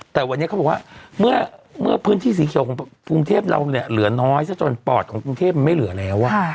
แต่วันนี้เขาบอกว่าเมื่อพื้นที่สีเขียวของกรุงเทพเราเนี่ยเหลือน้อยซะจนปอดของกรุงเทพมันไม่เหลือแล้ว